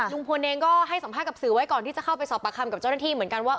ลุงพลเองก็ให้สัมภาษณ์กับสื่อไว้ก่อนที่จะเข้าไปสอบปากคำกับเจ้าหน้าที่เหมือนกันว่า